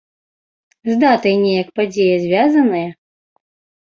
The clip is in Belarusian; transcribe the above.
З датай неяк падзея звязаная?